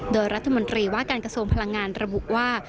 โดยรัฐมนตรีว่าการกระทรวงพลังงานระบุว่า